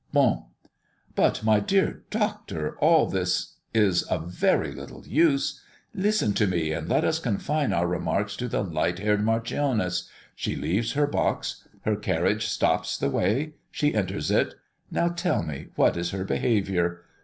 "Bon." "But my dear Doctor, all this is of very little use. Listen to me, and let us confine our remarks to the light haired marchioness. She leaves her box. Her carriage stops the way. She enters it. Now tell me, what is her behaviour?